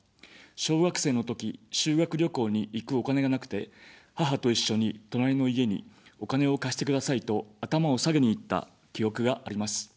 小学生のとき、修学旅行に行くお金がなくて、母と一緒に隣の家にお金を貸してくださいと頭を下げに行った記憶があります。